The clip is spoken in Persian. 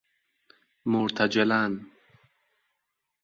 مرتجلا ً